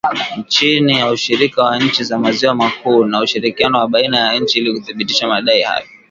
Chini ya ushirika wa nchi za maziwa makuu , na ushirikiano wa baina ya nchi ili kuthibitisha madai hayo